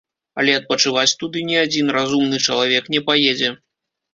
Але адпачываць туды ні адзін разумны чалавек не паедзе.